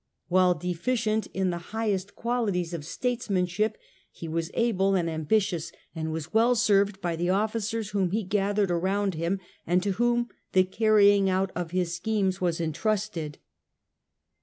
While deficient in the highest qualities of statesmanship he was able and ambitious ; and was well served by the officers whom he gathered around him, and to whom the carry ing out of his schemes was entrusted.